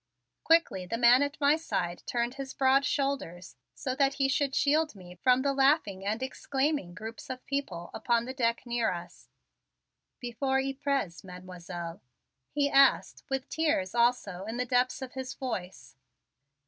Quickly the man at my side turned his broad shoulders so that he should shield me from the laughing and exclaiming groups of people upon the deck near us. "Before Ypres, Mademoiselle?" he asked with tears also in the depths of his voice.